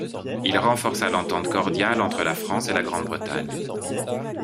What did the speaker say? Il renforça l'Entente cordiale entre la France et la Grande-Bretagne.